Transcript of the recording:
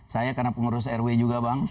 saya karena pengurus rw juga bang